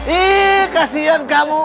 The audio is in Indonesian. ih kasian kamu